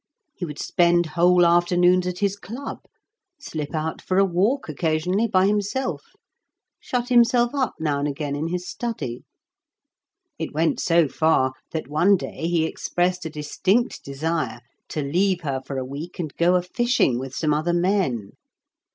He would spend whole afternoons at his club, slip out for a walk occasionally by himself, shut himself up now and again in his study. It went so far that one day he expressed a distinct desire to leave her for a week and go a fishing with some other men.